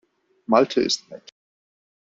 Malte ist nett.